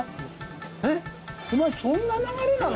えっお前そんな流れなの？